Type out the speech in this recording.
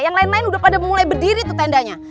yang lain lain udah pada mulai berdiri tuh tendanya